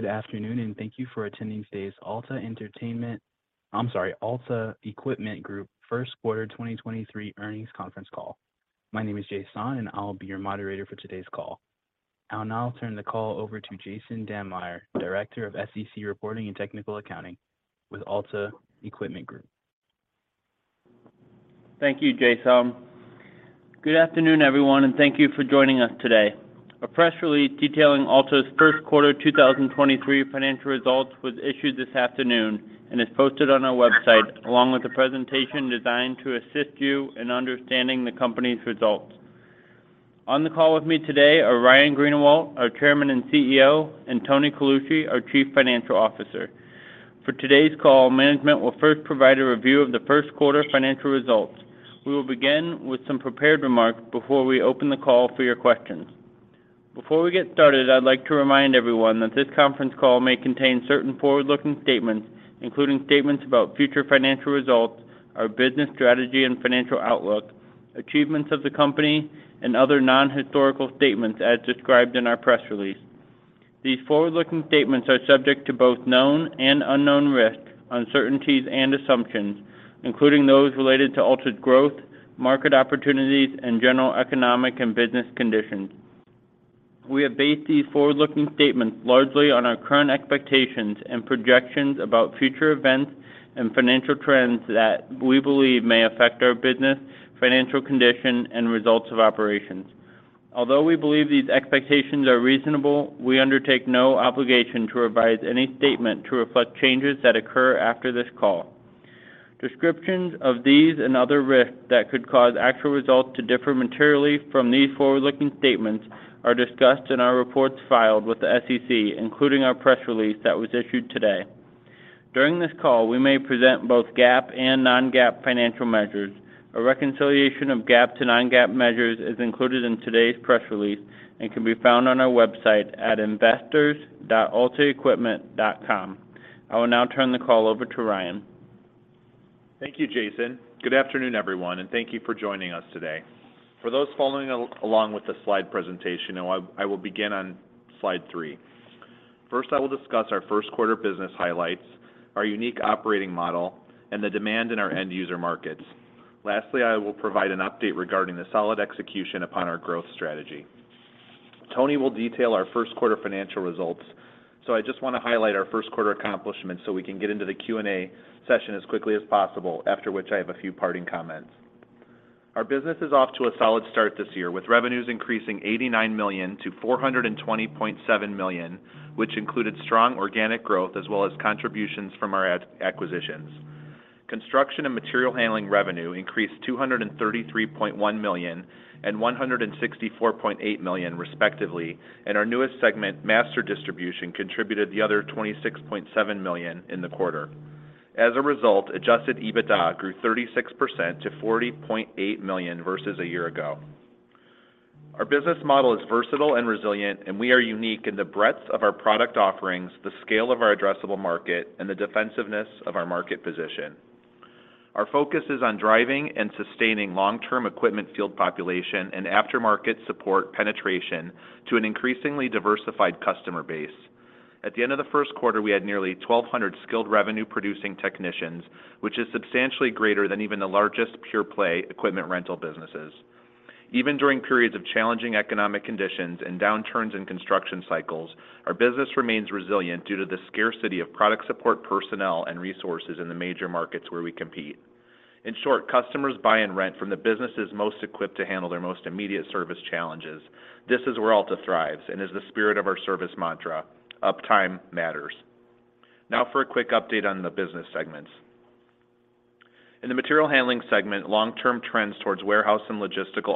Good afternoon. Thank you for attending today's Alta Equipment Group Q1 2023 Earnings Conference Call. My name is Jason. I'll be your moderator for today's call. I'll now turn the call over to Jason Dammeyer, Director of SEC Reporting and Technical Accounting with Alta Equipment Group. Thank you, Jason. Good afternoon, everyone, and thank you for joining us today. A press release detailing Alta's Q1 2023 financial results was issued this afternoon and is posted on our website, along with a presentation designed to assist you in understanding the company's results. On the call with me today are Ryan Greenawalt, our Chairman and CEO, and Tony Colucci, our Chief Financial Officer. For today's call, management will first provide a review of the Q1 financial results. We will begin with some prepared remarks before we open the call for your questions. Before we get started, I'd like to remind everyone that this conference call may contain certain forward-looking statements, including statements about future financial results, our business strategy and financial outlook, achievements of the company, and other non-historical statements as described in our press release. These forward-looking statements are subject to both known and unknown risks, uncertainties and assumptions, including those related to Alta's growth, market opportunities, and general economic and business conditions. We have based these forward-looking statements largely on our current expectations and projections about future events and financial trends that we believe may affect our business, financial condition and results of operations. Although we believe these expectations are reasonable, we undertake no obligation to revise any statement to reflect changes that occur after this call. Descriptions of these and other risks that could cause actual results to differ materially from these forward-looking statements are discussed in our reports filed with the SEC, including our press release that was issued today. During this call, we may present both GAAP and non-GAAP financial measures. A reconciliation of GAAP to non-GAAP measures is included in today's press release and can be found on our website at investors.altaequipment.com. I will now turn the call over to Ryan. Thank you, Jason. Good afternoon, everyone, and thank you for joining us today. For those following along with the slide presentation, I will begin on slide 3. First, I will discuss our Q1 business highlights, our unique operating model, and the demand in our end user markets. Lastly, I will provide an update regarding the solid execution upon our growth strategy. Tony will detail our Q1 financial results. I just wanna highlight our Q1 accomplishments, so we can get into the Q&A session as quickly as possible, after which I have a few parting comments. Our business is off to a solid start this year, with revenues increasing $89 to $420.7 million, which included strong organic growth as well as contributions from our acquisitions. Construction and material handling revenue increased $233.1 and $164.8 million respectively, and our newest segment, Master Distribution, contributed the other $26.7 million in the quarter. As a result, adjusted EBITDA grew 36% to $40.8 million versus a year ago. Our business model is versatile and resilient, and we are unique in the breadth of our product offerings, the scale of our addressable market, and the defensiveness of our market position. Our focus is on driving and sustaining long-term equipment field population and aftermarket support penetration to an increasingly diversified customer base. At the end of the Q1, we had nearly 1,200 skilled revenue-producing technicians, which is substantially greater than even the largest pure play equipment rental businesses. Even during periods of challenging economic conditions and downturns in construction cycles, our business remains resilient due to the scarcity of product support personnel and resources in the major markets where we compete. In short, customers buy and rent from the businesses most equipped to handle their most immediate service challenges. This is where Alta thrives and is the spirit of our service mantra, "Uptime matters." Now for a quick update on the business segments. In the material handling segment, long-term trends towards warehouse and logistical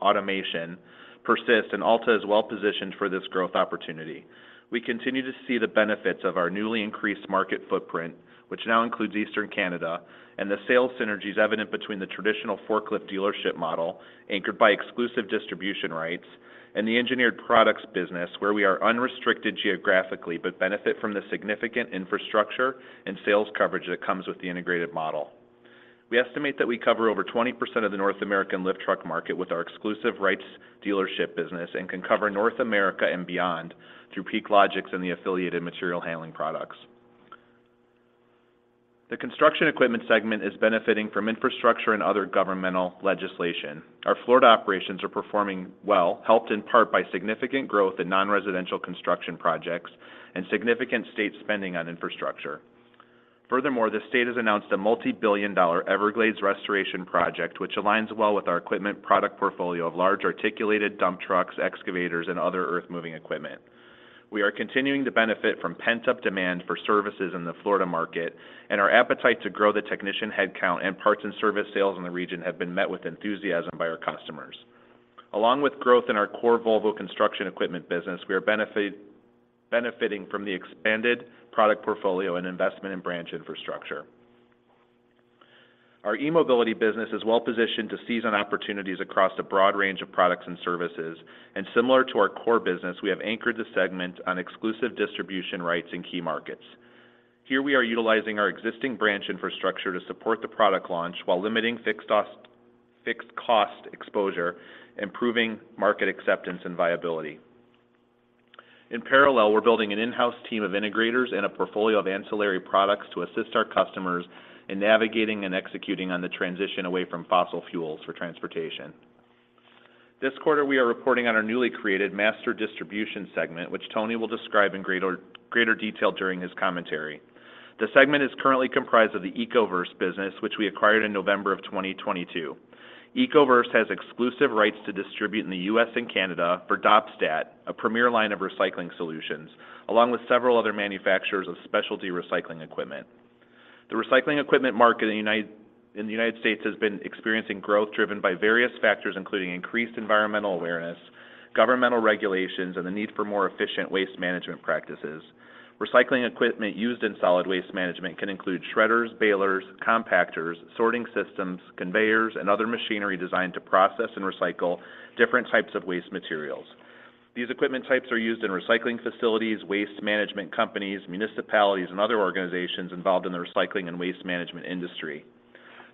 automation persist, and Alta is well positioned for this growth opportunity. We continue to see the benefits of our newly increased market footprint, which now includes Eastern Canada, and the sales synergies evident between the traditional forklift dealership model, anchored by exclusive distribution rights, and the engineered products business, where we are unrestricted geographically but benefit from the significant infrastructure and sales coverage that comes with the integrated model. We estimate that we cover over 20% of the North American lift truck market with our exclusive rights dealership business and can cover North America and beyond through PeakLogix and the affiliated material handling products. The construction equipment segment is benefiting from infrastructure and other governmental legislation. Our Florida operations are performing well, helped in part by significant growth in non-residential construction projects and significant state spending on infrastructure. Furthermore, the state has announced a multi-billion dollar Everglades restoration project, which aligns well with our equipment product portfolio of large articulated dump trucks, excavators, and other earth-moving equipment. Our appetite to grow the technician headcount and parts and service sales in the region have been met with enthusiasm by our customers. Along with growth in our core Volvo construction equipment business, we are benefiting from the expanded product portfolio and investment in branch infrastructure. Our e-mobility business is well-positioned to seize on opportunities across a broad range of products and services, similar to our core business, we have anchored the segment on exclusive distribution rights in key markets. Here we are utilizing our existing branch infrastructure to support the product launch while limiting fixed cost exposure, improving market acceptance and viability. In parallel, we're building an in-house team of integrators and a portfolio of ancillary products to assist our customers in navigating and executing on the transition away from fossil fuels for transportation. This quarter, we are reporting on our newly created Master Distribution segment, which Tony will describe in greater detail during his commentary. The segment is currently comprised of the Ecoverse business, which we acquired in November of 2022. Ecoverse has exclusive rights to distribute in the U.S. and Canada for Doppstadt, a premier line of recycling solutions, along with several other manufacturers of specialty recycling equipment. The recycling equipment market in the United States has been experiencing growth driven by various factors, including increased environmental awareness, governmental regulations, and the need for more efficient waste management practices. Recycling equipment used in solid waste management can include shredders, balers, compactors, sorting systems, conveyors, and other machinery designed to process and recycle different types of waste materials. These equipment types are used in recycling facilities, waste management companies, municipalities, and other organizations involved in the recycling and waste management industry.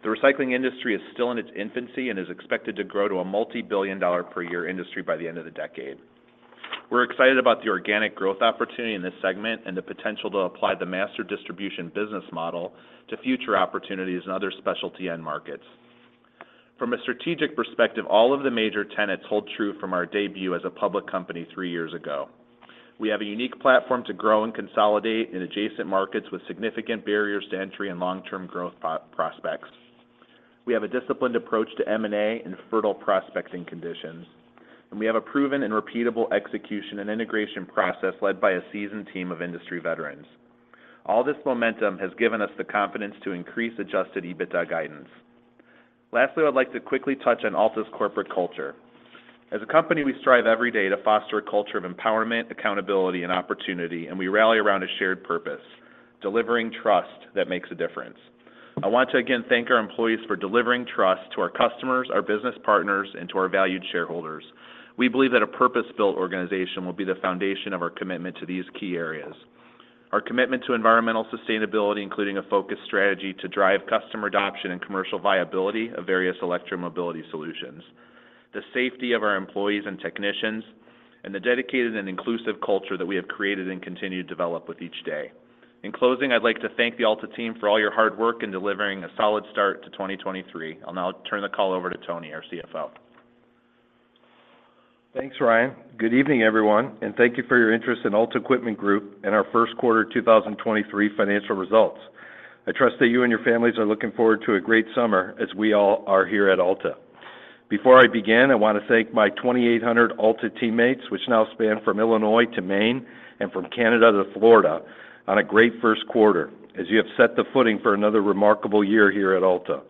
The recycling industry is still in its infancy and is expected to grow to a multibillion-dollar per year industry by the end of the decade. We're excited about the organic growth opportunity in this segment and the potential to apply the Master Distribution business model to future opportunities in other specialty end markets. From a strategic perspective, all of the major tenets hold true from our debut as a public company three years ago. We have a unique platform to grow and consolidate in adjacent markets with significant barriers to entry and long-term growth prospects. We have a disciplined approach to M&A and fertile prospecting conditions. We have a proven and repeatable execution and integration process led by a seasoned team of industry veterans. All this momentum has given us the confidence to increase adjusted EBITDA guidance. Lastly, I'd like to quickly touch on Alta's corporate culture. As a company, we strive every day to foster a culture of empowerment, accountability, and opportunity, and we rally around a shared purpose: delivering trust that makes a difference. I want to again thank our employees for delivering trust to our customers, our business partners, and to our valued shareholders. We believe that a purpose-built organization will be the foundation of our commitment to these key areas. Our commitment to environmental sustainability, including a focused strategy to drive customer adoption and commercial viability of various electromobility solutions, the safety of our employees and technicians, and the dedicated and inclusive culture that we have created and continue to develop with each day. In closing, I'd like to thank the Alta team for all your hard work in delivering a solid start to 2023. I'll now turn the call over to Tony, our CFO. Thanks, Ryan. Good evening, everyone, and thank you for your interest in Alta Equipment Group and our Q1 2023 financial results. I trust that you and your families are looking forward to a great summer as we all are here at Alta. Before I begin, I want to thank my 2,800 Alta teammates, which now span from Illinois to Maine and from Canada to Florida, on a great Q1 as you have set the footing for another remarkable year here at Alta.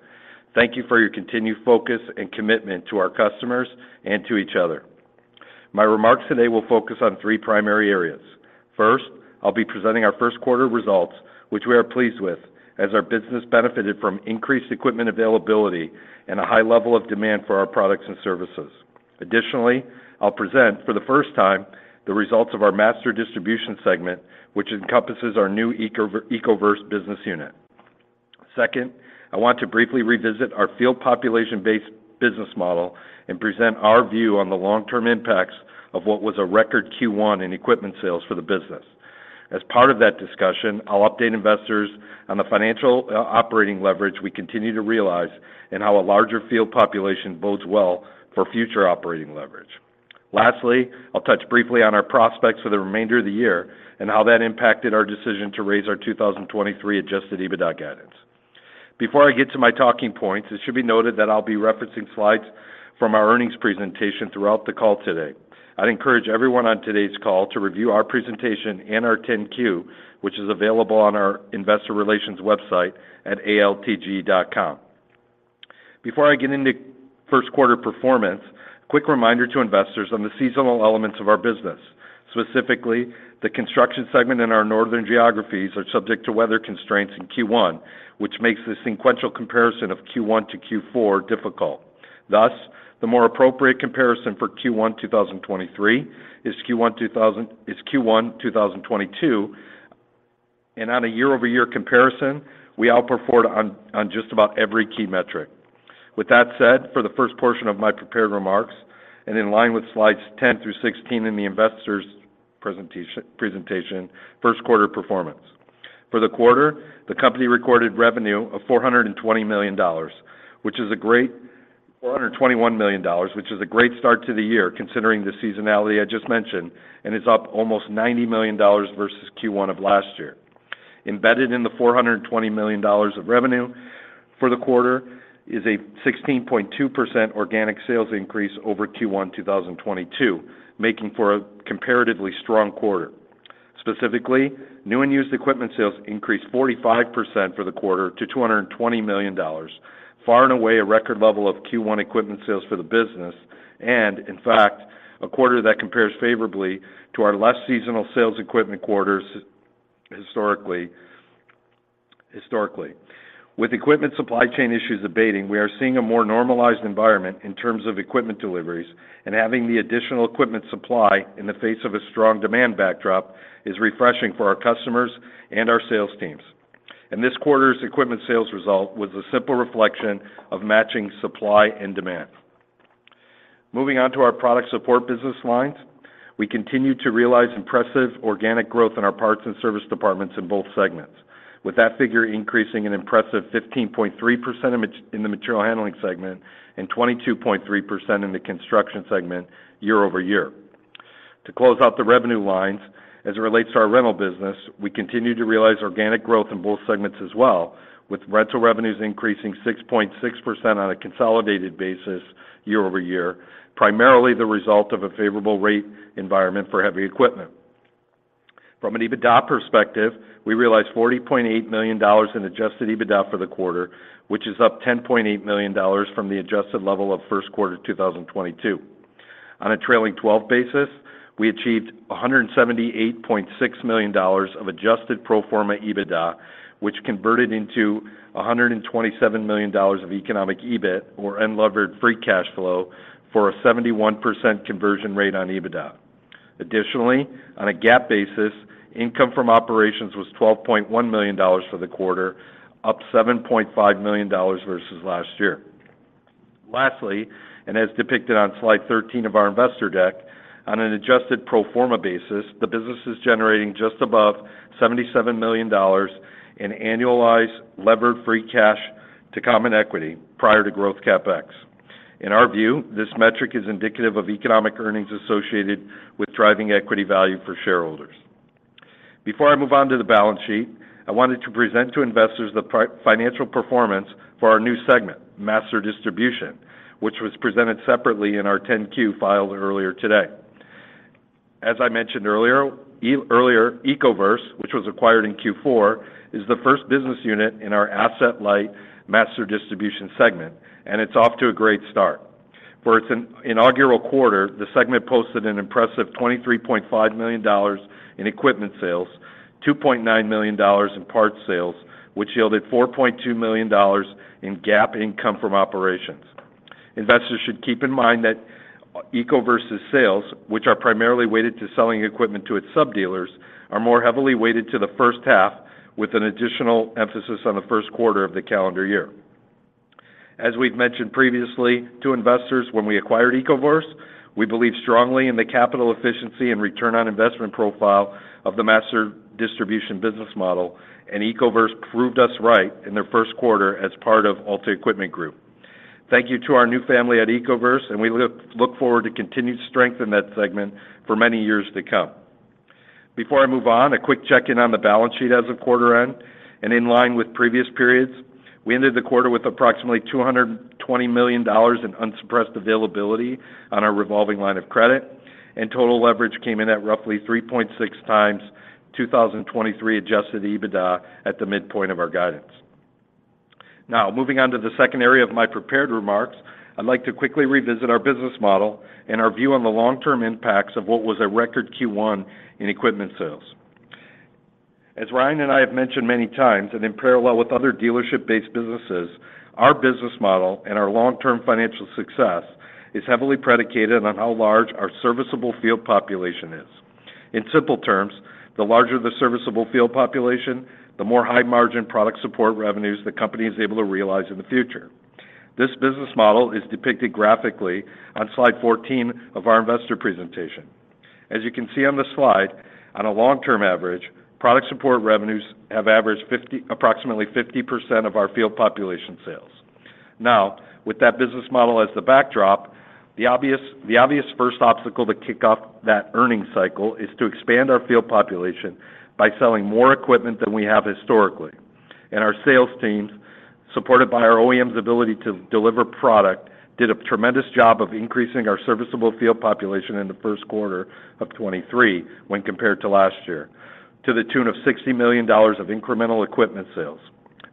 Thank you for your continued focus and commitment to our customers and to each other. My remarks today will focus on three primary areas. First, I'll be presenting our Q1 results, which we are pleased with as our business benefited from increased equipment availability and a high level of demand for our products and services. Additionally, I'll present for the first time the results of our Master Distribution segment, which encompasses our new Ecoverse business unit. I want to briefly revisit our field population-based business model and present our view on the long-term impacts of what was a record Q1 in equipment sales for the business. As part of that discussion, I'll update investors on the financial operating leverage we continue to realize and how a larger field population bodes well for future operating leverage. I'll touch briefly on our prospects for the remainder of the year and how that impacted our decision to raise our 2023 adjusted EBITDA guidance. Before I get to my talking points, it should be noted that I'll be referencing slides from our earnings presentation throughout the call today. I'd encourage everyone on today's call to review our presentation and our 10-Q, which is available on our investor relations website at altg.com. Before I get into Q1 performance, quick reminder to investors on the seasonal elements of our business. Specifically, the construction segment in our northern geographies are subject to weather constraints in Q1, which makes the sequential comparison of Q1 to Q4 difficult. Thus, the more appropriate comparison for Q1 2023 is Q1 2022. On a year-over-year comparison, we outperformed on just about every key metric. With that said, for the first portion of my prepared remarks, and in line with slides 10 through 16 in the investors presentation, Q1 performance. For the quarter, the company recorded revenue of $421 million, which is a great start to the year considering the seasonality I just mentioned, and is up almost $90 million versus Q1 of last year. Embedded in the $420 million of revenue for the quarter is a 16.2% organic sales increase over Q1 2022, making for a comparatively strong quarter. Specifically, new and used equipment sales increased 45% for the quarter to $220 million, far and away a record level of Q1 equipment sales for the business and, in fact, a quarter that compares favorably to our less seasonal sales equipment quarters historically. With equipment supply chain issues abating, we are seeing a more normalized environment in terms of equipment deliveries, and having the additional equipment supply in the face of a strong demand backdrop is refreshing for our customers and our sales teams. This quarter's equipment sales result was a simple reflection of matching supply and demand. Moving on to our product support business lines, we continue to realize impressive organic growth in our parts and service departments in both segments. With that figure increasing an impressive 15.3% in the material handling segment and 22.3% in the construction segment year-over-year. To close out the revenue lines as it relates to our rental business, we continue to realize organic growth in both segments as well, with rental revenues increasing 6.6% on a consolidated basis year-over-year, primarily the result of a favorable rate environment for heavy equipment. From an EBITDA perspective, we realized $40.8 million in adjusted EBITDA for the quarter, which is up $10.8 million from the adjusted level of Q1 2022. On a trailing-twelve basis, we achieved $178.6 million of adjusted pro forma EBITDA, which converted into $127 million of economic EBIT or unlevered free cash flow for a 71% conversion rate on EBITDA. On a GAAP basis, income from operations was $12.1 million for the quarter, up $7.5 million versus last year. As depicted on slide 13 of our investor deck, on an adjusted pro forma basis, the business is generating just above $77 million in annualized levered free cash to common equity prior to growth CapEx. In our view, this metric is indicative of economic earnings associated with driving equity value for shareholders. I move on to the balance sheet, I wanted to present to investors the financial performance for our new segment, Master Distribution, which was presented separately in our 10-Q filed earlier today. I mentioned earlier, Ecoverse, which was acquired in Q4, is the first business unit in our asset light Master Distribution segment, and it's off to a great start. For its inaugural quarter, the segment posted an impressive $23.5 million in equipment sales, $2.9 million in parts sales, which yielded $4.2 million in GAAP income from operations. Investors should keep in mind that Ecoverse's sales, which are primarily weighted to selling equipment to its sub dealers, are more heavily weighted to the first half with an additional emphasis on the Q1 of the calendar year. As we've mentioned previously to investors when we acquired Ecoverse, we believe strongly in the capital efficiency and return on investment profile of the master distribution business model, and Ecoverse proved us right in their Q1 as part of Alta Equipment Group. Thank you to our new family at Ecoverse, and we look forward to continued strength in that segment for many years to come. Before I move on, a quick check-in on the balance sheet as of quarter end. In line with previous periods, we ended the quarter with approximately $220 million in unsuppressed availability on our revolving line of credit, and total leverage came in at roughly 3.6x 2023 adjusted EBITDA at the midpoint of our guidance. Moving on to the second area of my prepared remarks, I'd like to quickly revisit our business model and our view on the long-term impacts of what was a record Q1 in equipment sales. As Ryan and I have mentioned many times, and in parallel with other dealership-based businesses, our business model and our long-term financial success is heavily predicated on how large our serviceable field population is. In simple terms, the larger the serviceable field population, the more high-margin product support revenues the company is able to realize in the future. This business model is depicted graphically on slide 14 of our investor presentation. As you can see on the slide, on a long-term average, product support revenues have averaged approximately 50% of our field population sales. Now, with that business model as the backdrop, the obvious first obstacle to kick off that earnings cycle is to expand our field population by selling more equipment than we have historically. Our sales teams, supported by our OEMs' ability to deliver product, did a tremendous job of increasing our serviceable field population in the Q1 of 2023 when compared to last year to the tune of $60 million of incremental equipment sales.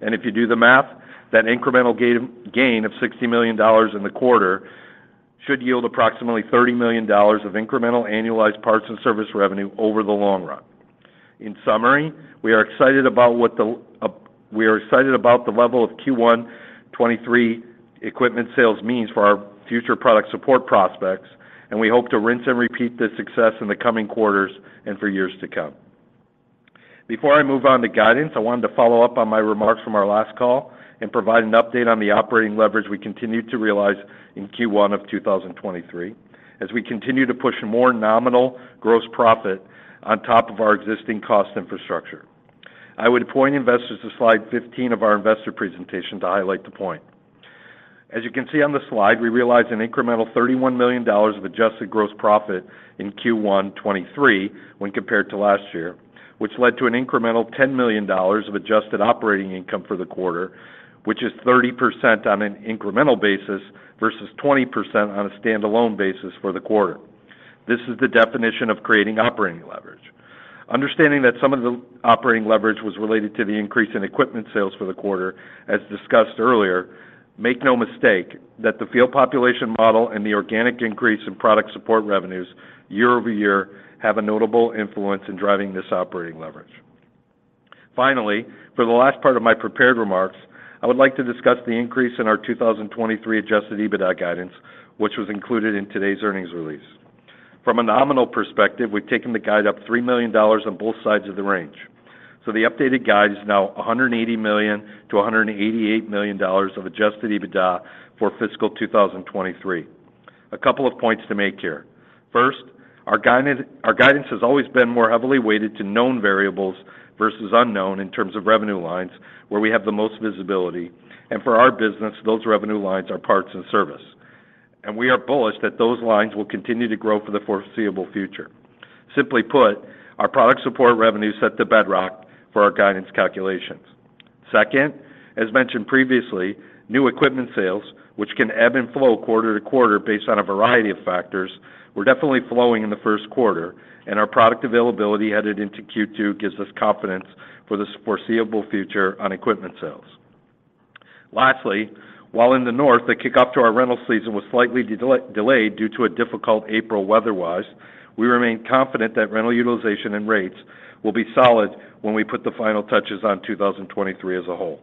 If you do the math, that incremental gain of $60 million in the quarter should yield approximately $30 million of incremental annualized parts and service revenue over the long run. In summary, we are excited about the level of Q1 2023 equipment sales means for our future product support prospects, and we hope to rinse and repeat this success in the coming quarters and for years to come. Before I move on to guidance, I wanted to follow up on my remarks from our last call and provide an update on the operating leverage we continued to realize in Q1 2023 as we continue to push more nominal gross profit on top of our existing cost infrastructure. I would point investors to slide 15 of our investor presentation to highlight the point. As you can see on the slide, we realized an incremental $31 million of adjusted gross profit in Q1 2023 when compared to last year, which led to an incremental $10 million of adjusted operating income for the quarter, which is 30% on an incremental basis versus 20% on a stand-alone basis for the quarter. This is the definition of creating operating leverage. Understanding that some of the operating leverage was related to the increase in equipment sales for the quarter, as discussed earlier, make no mistake that the field population model and the organic increase in product support revenues year-over-year have a notable influence in driving this operating leverage. For the last part of my prepared remarks, I would like to discuss the increase in our 2023 adjusted EBITDA guidance, which was included in today's earnings release. From a nominal perspective, we've taken the guide up $3 million on both sides of the range. The updated guide is now $180 million-$188 million of adjusted EBITDA for fiscal 2023. A couple of points to make here. First, our guidance has always been more heavily weighted to known variables versus unknown in terms of revenue lines where we have the most visibility. For our business, those revenue lines are parts and service. We are bullish that those lines will continue to grow for the foreseeable future. Simply put, our product support revenue set the bedrock for our guidance calculations. Second, as mentioned previously, new equipment sales, which can ebb and flow quarter-to-quarter based on a variety of factors, were definitely flowing in the Q1, and our product availability headed into Q2 gives us confidence for the foreseeable future on equipment sales. Lastly, while in the North, the kick off to our rental season was slightly delayed due to a difficult April weather-wise, we remain confident that rental utilization and rates will be solid when we put the final touches on 2023 as a whole.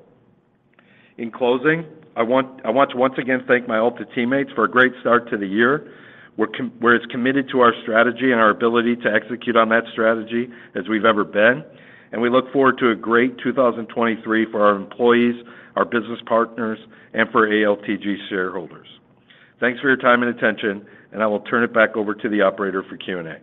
In closing, I want to once again thank my ALTG teammates for a great start to the year. We're as committed to our strategy and our ability to execute on that strategy as we've ever been, and we look forward to a great 2023 for our employees, our business partners, and for ALTG shareholders. Thanks for your time and attention, and I will turn it back over to the operator for Q&A.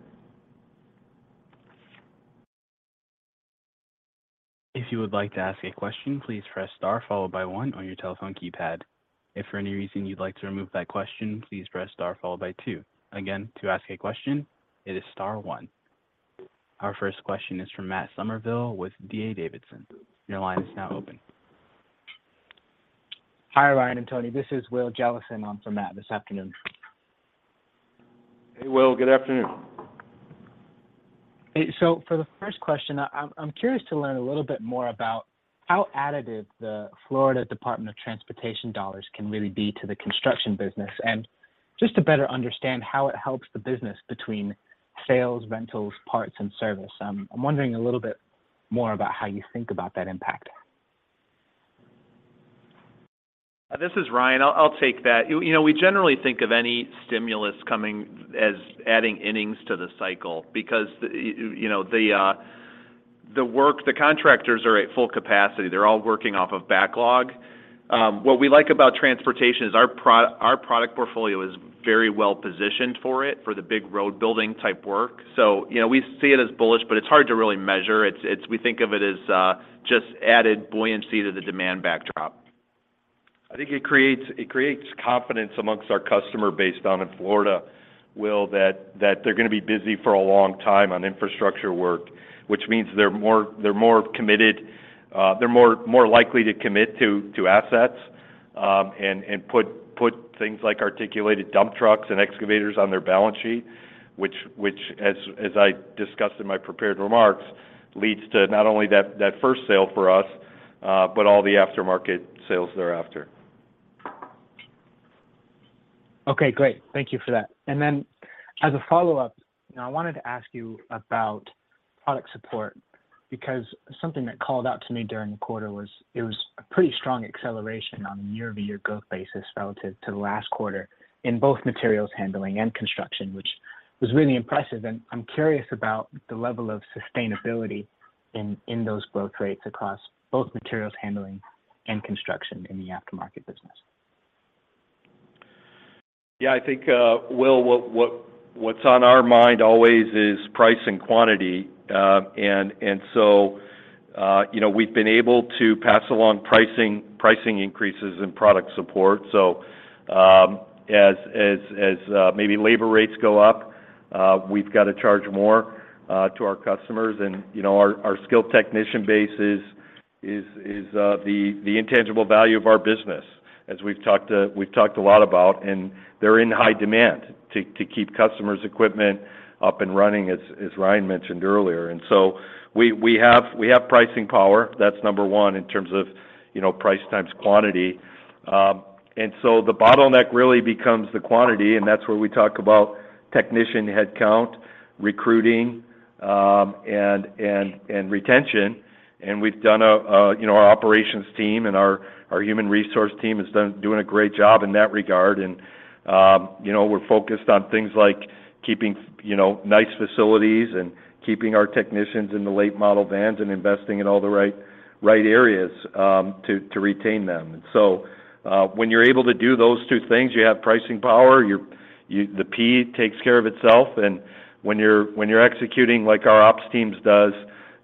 If you would like to ask a question, please press Star followed by one on your telephone keypad. If for any reason you'd like to remove that question, please press star followed by two. Again, to ask a question, it is star one. Our first question is from Matt Summerville with D.A. Davidson. Your line is now open. Hi, Ryan and Tony. This is Will Jellison on for Matt this afternoon. Hey, Will. Good afternoon. Hey. For the first question, I'm curious to learn a little bit more about how additive the Florida Department of Transportation dollars can really be to the construction business, and just to better understand how it helps the business between sales, rentals, parts, and service. I'm wondering a little bit more about how you think about that impact. This is Ryan. I'll take that. You know, we generally think of any stimulus coming as adding innings to the cycle because you know, the contractors are at full capacity. They're all working off of backlog. What we like about transportation is our product portfolio is very well-positioned for it, for the big road building type work. You know, we see it as bullish, but it's hard to really measure. We think of it as just added buoyancy to the demand backdrop. I think it creates confidence amongst our customer based down in Florida, Will, that they're gonna be busy for a long time on infrastructure work, which means they're more committed. They're more likely to commit to assets, and put things like articulated dump trucks and excavators on their balance sheet, which as I discussed in my prepared remarks, leads to not only that first sale for us, but all the aftermarket sales thereafter. Okay. Great. Thank you for that. Then as a follow-up, you know, I wanted to ask you about product support because something that called out to me during the quarter was it was a pretty strong acceleration on a year-over-year growth basis relative to the last quarter in both materials handling and construction, which was really impressive, and I'm curious about the level of sustainability in those growth rates across both materials handling and construction in the aftermarket business. Yeah. I think, Will, what's on our mind always is price and quantity. You know, we've been able to pass along pricing increases in product support. As maybe labor rates go up, we've got to charge more to our customers and, you know, our skilled technician base is the intangible value of our business as we've talked a lot about, and they're in high demand to keep customers' equipment up and running, as Ryan mentioned earlier. We have pricing power. That's number one in terms of, you know, price times quantity. The bottleneck really becomes the quantity, and that's where we talk about technician headcount, recruiting, and retention. We've done, you know, our operations team and our human resource team doing a great job in that regard. We're focused on things like keeping, you know, nice facilities and keeping our technicians in the late model vans and investing in all the right areas to retain them. When you're able to do those two things, you have pricing power, you're, the P takes care of itself. When you're executing like our ops teams does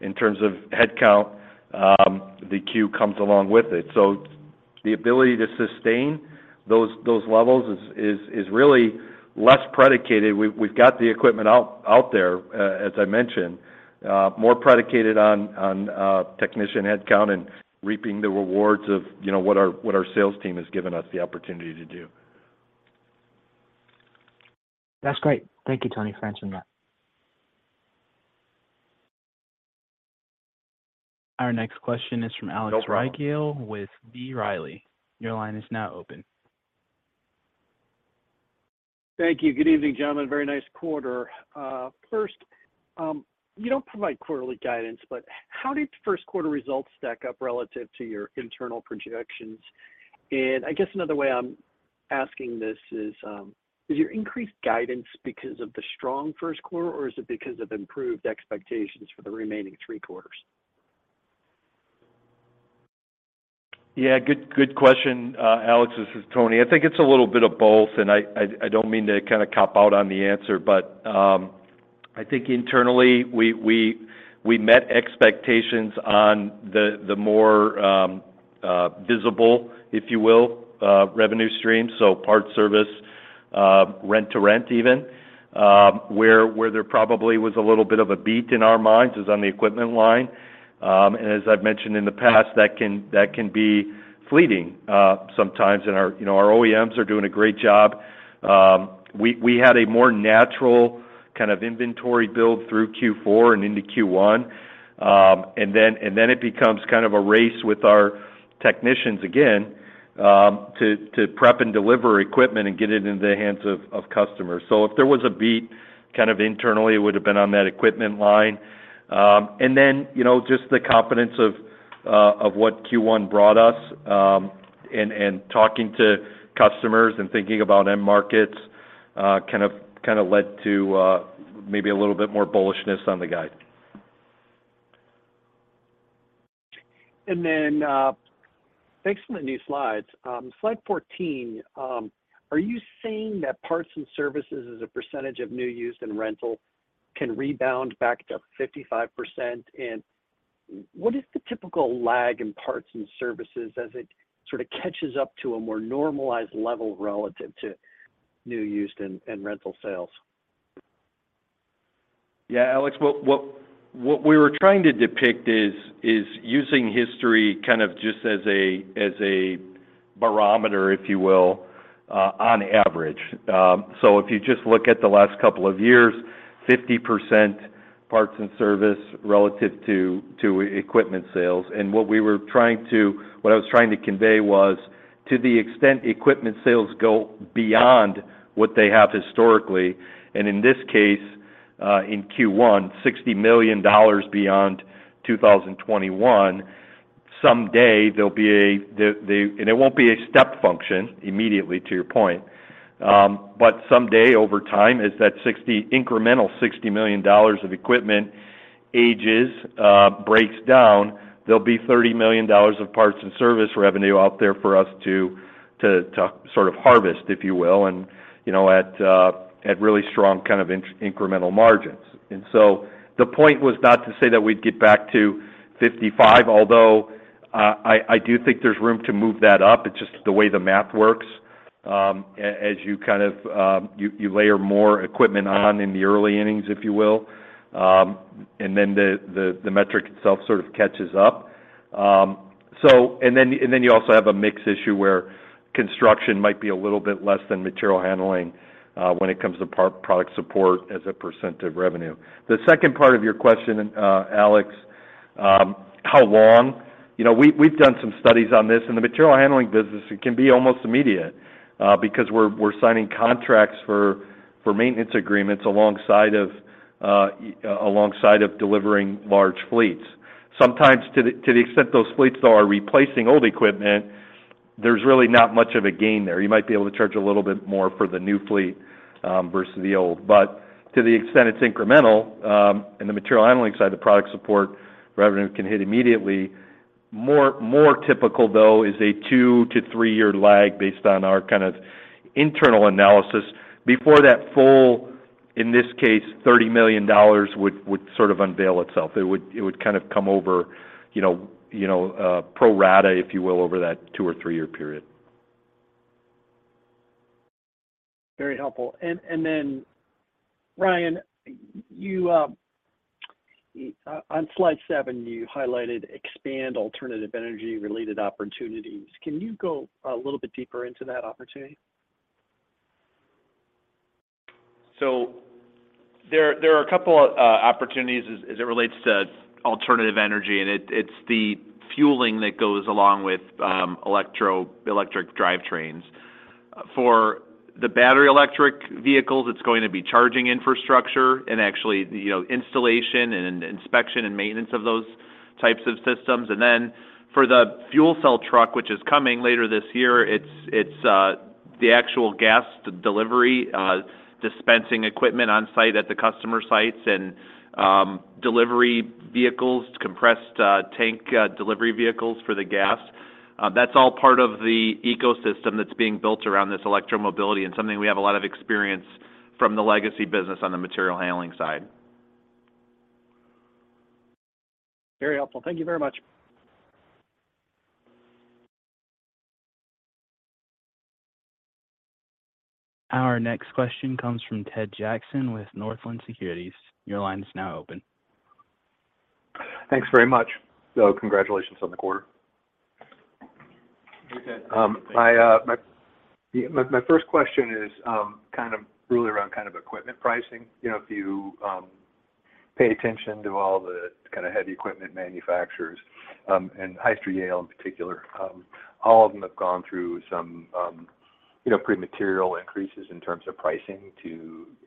in terms of headcount, the Q comes along with it. The ability to sustain those levels is really less predicated. We've got the equipment out there, as I mentioned, more predicated on technician headcount and reaping the rewards of, you know, what our sales team has given us the opportunity to do. That's great. Thank you, Tony. Thanks for that. Our next question is from Alex Rygiel. No problem. with B. Riley. Your line is now open. Thank you. Good evening, gentlemen. Very nice quarter. First, you don't provide quarterly guidance, how did Q1 results stack up relative to your internal projections? I guess another way I'm asking this is your increased guidance because of the strong Q1 or is it because of improved expectations for the remaining three quarters? Yeah, good question. Alex, this is Tony. I think it's a little bit of both, and I don't mean to kind of cop out on the answer. I think internally, we met expectations on the more visible, if you will, revenue stream, so parts service, rent-to-rent even. Where there probably was a little bit of a beat in our minds is on the equipment line. As I've mentioned in the past, that can be fleeting sometimes. Our, you know, our OEMs are doing a great job. We had a more natural kind of inventory build through Q4 and into Q1. Then it becomes kind of a race with our technicians again, to prep and deliver equipment and get it into the hands of customers. If there was a beat kind of internally, it would have been on that equipment line. You know, just the confidence of what Q1 brought us, and talking to customers and thinking about end markets, kind of led to maybe a little bit more bullishness on the guide. Thanks for the new slides. Slide 14, are you saying that parts and services as a percentage of new use and rental can rebound back to 55%? What is the typical lag in parts and services as it sort of catches up to a more normalized level relative to new, used, and rental sales? Yeah, Alex. What, what we were trying to depict is using history kind of just as a barometer, if you will, on average. If you just look at the last couple of years, 50% parts and service relative to equipment sales. What I was trying to convey was to the extent equipment sales go beyond what they have historically, and in this case, in Q1, $60 million beyond 2021, someday there'll be a the... It won't be a step function immediately, to your point. Someday over time, as that incremental $60 million of equipment ages, breaks down, there'll be $30 million of parts and service revenue out there for us to sort of harvest, if you will, and, you know, at really strong kind of incremental margins. The point was not to say that we'd get back to 55, although, I do think there's room to move that up. It's just the way the math works, as you kind of, you layer more equipment on in the early innings, if you will. The metric itself sort of catches up. And then, and then you also have a mix issue where construction might be a little bit less than material handling, when it comes to part product support as a % of revenue. The second part of your question, Alex, how long? You know, we've done some studies on this. In the material handling business, it can be almost immediate, because we're signing contracts for maintenance agreements alongside of, alongside of delivering large fleets. Sometimes to the extent those fleets, though, are replacing old equipment, there's really not much of a gain there. You might be able to charge a little bit more for the new fleet, versus the old. To the extent it's incremental, in the material handling side, the product support revenue can hit immediately. More typical, though, is a two to three year lag based on our kind of internal analysis before that full, in this case, $30 million would sort of unveil itself. It would kind of come over, you know, you know, pro rata, if you will, over that two or three year period. Very helpful. Ryan, you, on slide seven, you highlighted expand alternative energy-related opportunities. Can you go a little bit deeper into that opportunity? There are a couple opportunities as it relates to alternative energy, and it's the fueling that goes along with electric drivetrains. For the battery electric vehicles, it's going to be charging infrastructure and actually, you know, installation and inspection and maintenance of those types of systems. For the fuel cell truck, which is coming later this year, it's the actual gas delivery dispensing equipment on site at the customer sites and delivery vehicles, compressed tank delivery vehicles for the gas. That's all part of the ecosystem that's being built around this electromobility and something we have a lot of experience from the legacy business on the material handling side. Very helpful. Thank you very much. Our next question comes from Ted Jackson with Northland Securities. Your line is now open. Thanks very much. Congratulations on the quarter. Hey, Ted. My first question is, kind of really around kind of equipment pricing. You know, if you pay attention to all the kind of heavy equipment manufacturers, and Hyster-Yale in particular, all of them have gone through some. You know, pretty material increases in terms of pricing to,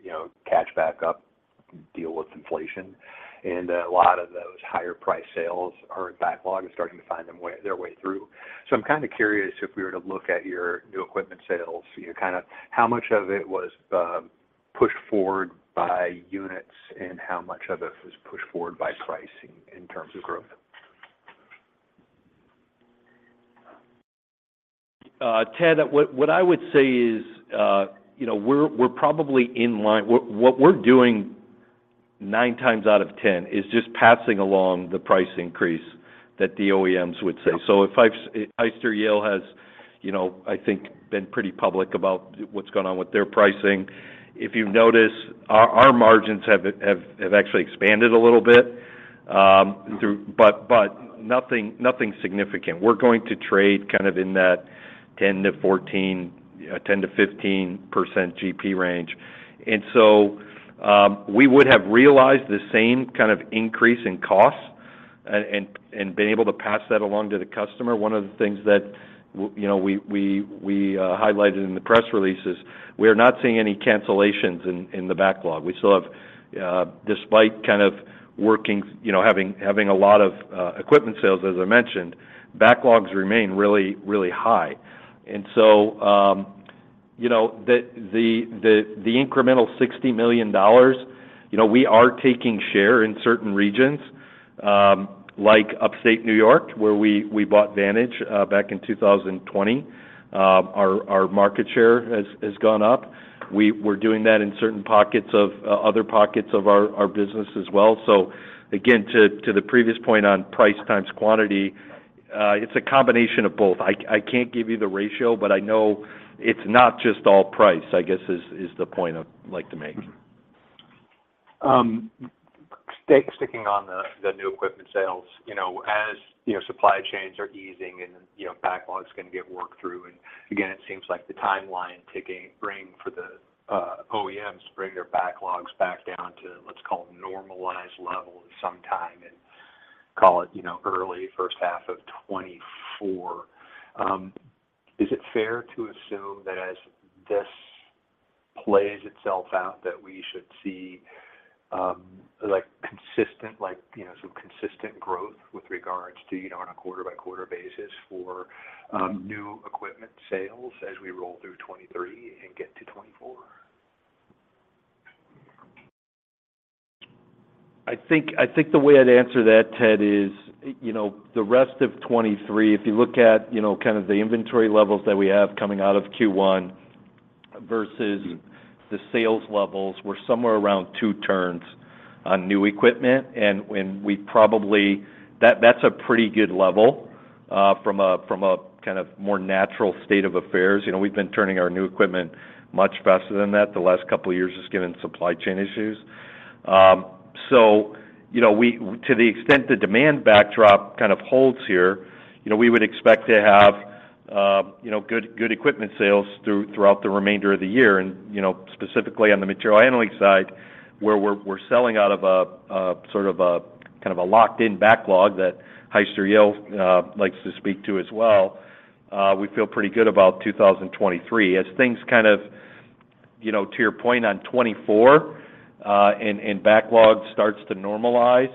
you know, catch back up, deal with inflation. A lot of those higher price sales are in backlog and starting to find their way through. I'm kind of curious, if we were to look at your new equipment sales, you know, kind of how much of it was pushed forward by units and how much of it was pushed forward by pricing in terms of growth? Ted, what I would say is, you know, we're probably in line. What we're doing 9 times out of 10 is just passing along the price increase that the OEMs would say. If Hyster-Yale has, you know, I think, been pretty public about what's going on with their pricing. If you've noticed, our margins have actually expanded a little bit. Nothing significant. We're going to trade kind of in that 10-14%, 10-15% GP range. We would have realized the same kind of increase in costs and been able to pass that along to the customer. One of the things that you know, we highlighted in the press release is we are not seeing any cancellations in the backlog. We still have, despite kind of working, you know, having a lot of equipment sales, as I mentioned, backlogs remain really, really high. you know, the incremental $60 million, you know, we are taking share in certain regions, like Upstate New York, where we bought Vantage back in 2020. Our market share has gone up. We're doing that in certain pockets of other pockets of our business as well. again, to the previous point on price times quantity, it's a combination of both. I can't give you the ratio, but I know it's not just all price, I guess, is the point I'd like to make. Sticking on the new equipment sales. You know, as, you know, supply chains are easing, you know, backlogs gonna get worked through. It seems like the timeline to bring for the OEMs to bring their backlogs back down to let's call normalized levels sometime in, call it, you know, early first half of 2024. Is it fair to assume that as this plays itself out, that we should see like consistent, you know, some consistent growth with regards to, you know, on a quarter-by-quarter basis for new equipment sales as we roll through 2023 and get to 2024? I think the way I'd answer that, Ted, is, you know, the rest of 2023, if you look at, you know, kind of the inventory levels that we have coming out of Q1 versus the sales levels, we're somewhere around two turns on new equipment. That's a pretty good level from a kind of more natural state of affairs. You know, we've been turning our new equipment much faster than that the last couple of years just given supply chain issues. You know, to the extent the demand backdrop kind of holds here, you know, we would expect to have, you know, good equipment sales throughout the remainder of the year. You know, specifically on the material handling side, where we're selling out of a sort of a kind of a locked-in backlog that Hyster-Yale likes to speak to as well, we feel pretty good about 2023. As things kind of, you know, to your point on 2024, and backlog starts to normalize,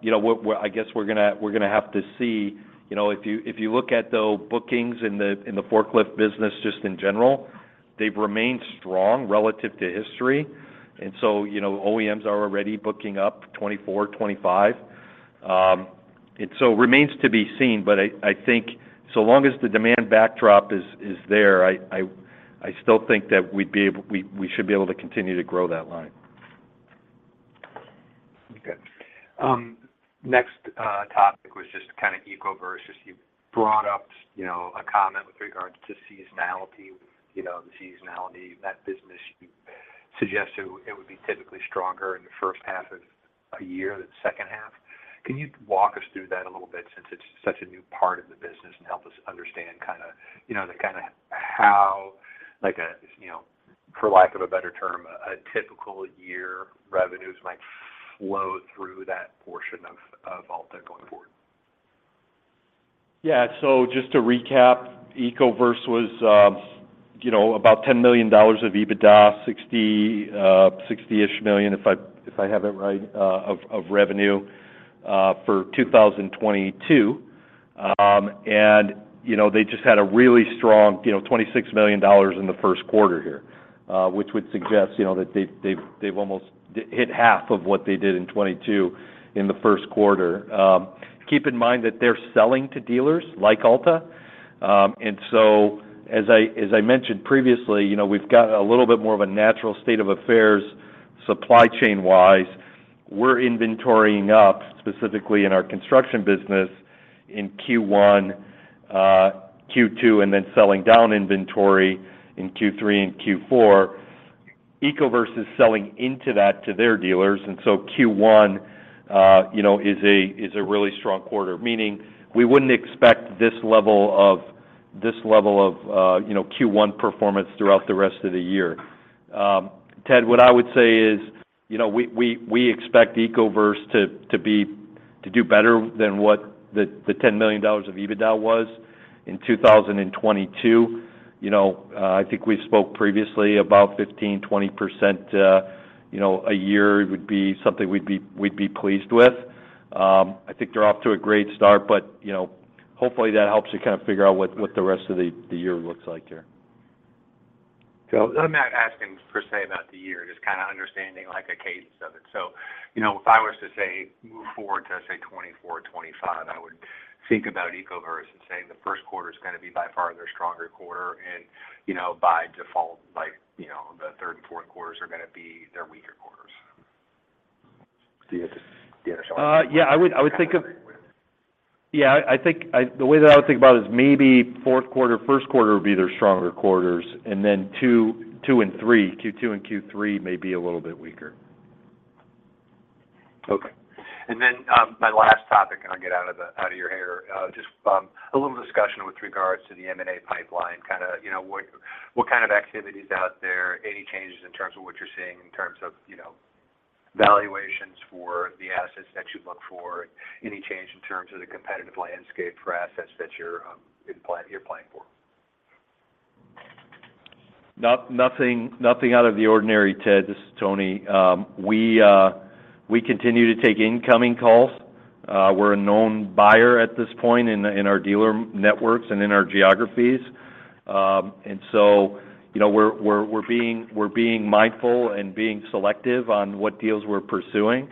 you know, what-- I guess we're gonna have to see. You know, if you, if you look at the bookings in the forklift business just in general, they've remained strong relative to history. You know, OEMs are already booking up 2024, 2025. Remains to be seen, but I think so long as the demand backdrop is there, I, I still think that we should be able to continue to grow that line. Okay. Next, topic was just kind of Ecoverse. You brought up, you know, a comment with regards to seasonality, you know, the seasonality in that business. You suggest it would be typically stronger in the first half of a year than second half. Can you walk us through that a little bit since it's such a new part of the business and help us understand kinda how like a, for lack of a better term, a typical year revenues might flow through that portion of Alta going forward? Yeah. Just to recap, Ecoverse was, you know, about $10 million of EBITDA, $60 million, $60 million-ish, if I, if I have it right, of revenue, for 2022. You know, they just had a really strong, you know, $26 million in the Q1 here, which would suggest, you know, that they've almost hit half of what they did in 2022 in the Q1. Keep in mind that they're selling to dealers like Alta. As I, as I mentioned previously, you know, we've got a little bit more of a natural state of affairs supply chain-wise. We're inventorying up, specifically in our construction business in Q1, Q2, and then selling down inventory in Q3 and Q4. Ecoverse is selling into that to their dealers. Q1, you know, is a really strong quarter, meaning we wouldn't expect this level of Q1 performance throughout the rest of the year. Ted, what I would say is, you know, we expect Ecoverse to do better than what the $10 million of EBITDA was in 2022. You know, I think we spoke previously about 15%-20%, you know, a year would be something we'd be pleased with. I think they're off to a great start, you know, hopefully, that helps you kind of figure out what the rest of the year looks like there. I'm not asking per se about the year, just kinda understanding like a cadence of it. You know, if I was to say move forward to, say, 2024, 2025, I would think about Ecoverse and say the Q1 is gonna be by far their stronger quarter. You know, by default, like, you know, the third and fourth quarters are gonna be their weaker quarters. Do you have a... Yeah. The way that I would think about it is maybe Q4, Q1 would be their stronger quarters, and then two and three. Q2 and Q3 may be a little bit weaker. Okay. My last topic, and I'll get out of your hair. Just a little discussion with regards to the M&A pipeline. Kinda, you know, what kind of activity is out there? Any changes in terms of what you're seeing in terms of, you know, valuations for the assets that you look for? Any change in terms of the competitive landscape for assets that you're planning for? nothing out of the ordinary, Ted. This is Tony. We continue to take incoming calls. We're a known buyer at this point in our dealer networks and in our geographies. And so, you know, we're being mindful and being selective on what deals we're pursuing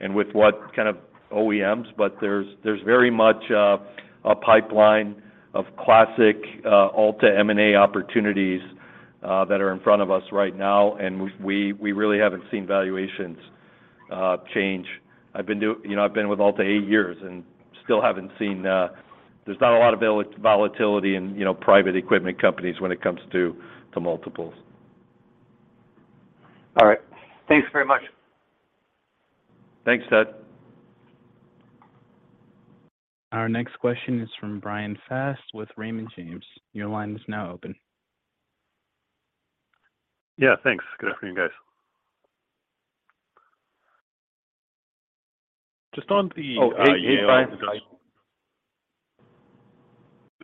and with what kind of OEMs. There's, there's very much a pipeline of classic Alta M&A opportunities that are in front of us right now, and we really haven't seen valuations change. I've been, you know, I've been with Alta eight years and still haven't seen. There's not a lot of volatility in, you know, private equipment companies when it comes to multiples. All right. Thanks very much. Thanks, Ted. Our next question is from Bryan Fast with Raymond James. Your line is now open. Yeah, thanks. Good afternoon, guys. Just on the Yale. Oh,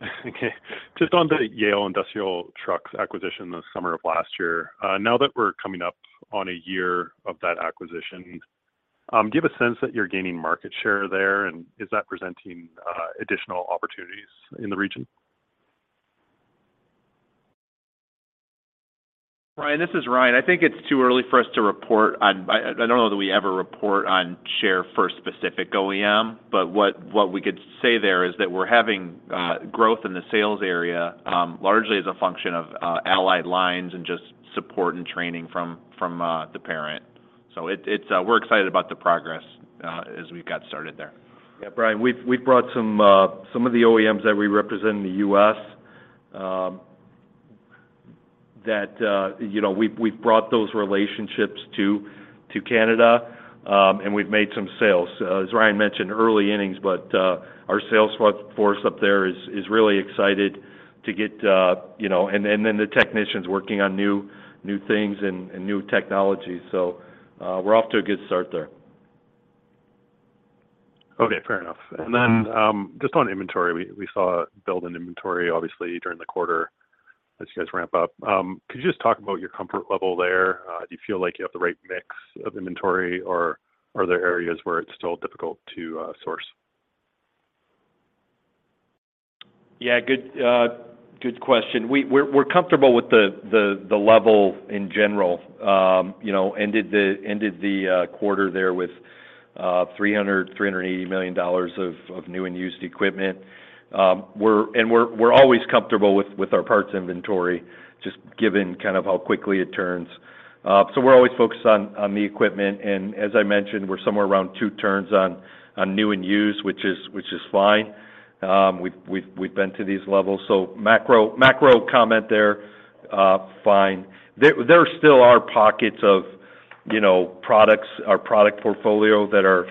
8, 85. Okay. Just on the Yale Industrial Trucks acquisition the summer of last year. Now that we're coming up on a year of that acquisition, do you have a sense that you're gaining market share there, and is that presenting additional opportunities in the region? Bryan, this is Ryan. I think it's too early for us to report on. I don't know that we ever report on share for a specific OEM, but what we could say there is that we're having growth in the sales area, largely as a function of allied lines and just support and training from the parent. It's, we're excited about the progress as we've got started there. Yeah. Bryan, we've brought some of the OEMs that we represent in the US, that, you know, we've brought those relationships to Canada, and we've made some sales. As Ryan mentioned, early innings, but our sales force up there is really excited to get, you know. Then the technicians working on new things and new technologies. we're off to a good start there. Okay. Fair enough. Mm-hmm. Just on inventory, we saw a build in inventory obviously during the quarter as you guys ramp up. Could you just talk about your comfort level there? Do you feel like you have the right mix of inventory or, are there areas where it's still difficult to source? Yeah. Good question. We're comfortable with the level in general. you know, ended the quarter there with $380 million of new and used equipment. We're always comfortable with our parts inventory, just given kind of how quickly it turns. We're always focused on the equipment. As I mentioned, we're somewhere around two turns on new and used, which is fine. We've been to these levels. Macro comment there, fine. There still are pockets of, you know, products, our product portfolio that are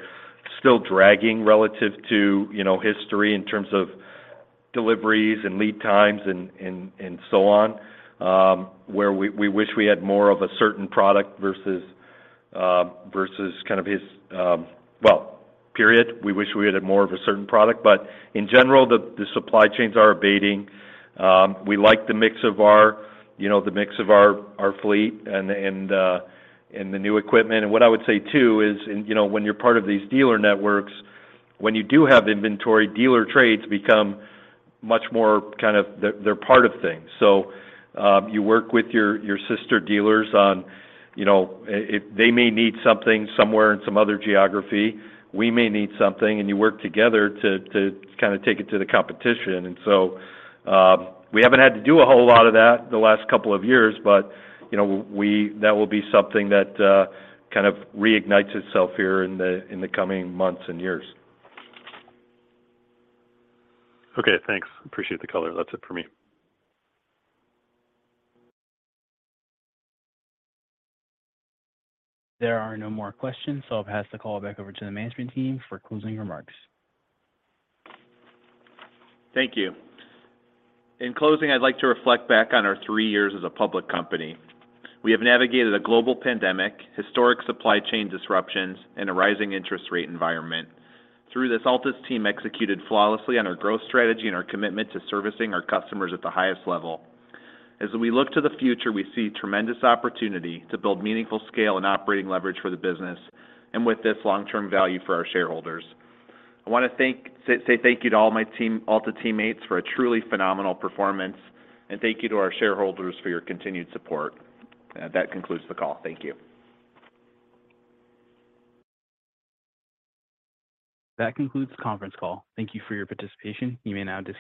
still dragging relative to, you know, history in terms of deliveries and lead times and so on, where we wish we had more of a certain product. Well, period. We wish we had more of a certain product. In general, the supply chains are abating. We like the mix of our, you know, the mix of our fleet and the and the new equipment. What I would say too is, you know, when you're part of these dealer networks, when you do have inventory, dealer trades become much more. They're part of things. You work with your sister dealers on, you know. If they may need something somewhere in some other geography, we may need something, and you work together to kinda take it to the competition. We haven't had to do a whole lot of that the last couple of years but, you know, that will be something that, kind of reignites itself here in the, in the coming months and years. Okay, thanks. Appreciate the color. That's it for me. There are no more questions. I'll pass the call back over to the management team for closing remarks. Thank you. In closing, I'd like to reflect back on our three years as a public company. We have navigated a global pandemic, historic supply chain disruptions, and a rising interest rate environment. Through this, Alta's team executed flawlessly on our growth strategy and our commitment to servicing our customers at the highest level. As we look to the future, we see tremendous opportunity to build meaningful scale and operating leverage for the business and with this long-term value for our shareholders. I wanna say thank you to all my team, Alta teammates for a truly phenomenal performance, and thank you to our shareholders for your continued support. That concludes the call. Thank you. That concludes the conference call. Thank you for your participation. You may now disconnect.